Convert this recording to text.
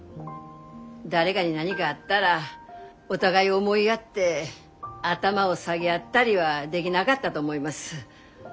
誰がに何があったらお互いを思いやって頭を下げ合ったりはでぎながったど思います。